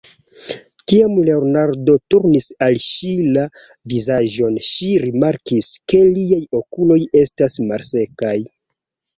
Kiam Leonardo turnis al ŝi la vizaĝon, ŝi rimarkis, ke liaj okuloj estas malsekaj.